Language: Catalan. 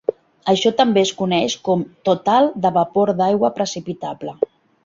Això també es coneix com "total de vapor d'aigua precipitable".